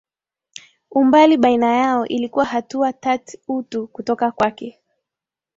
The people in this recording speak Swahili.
Umbali baina yao ilikuwa hatua tat utu kutoka kwake